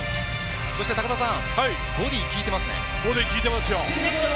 そして高田さんボディー、効いてますね。